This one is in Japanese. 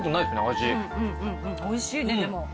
おいしいねでも。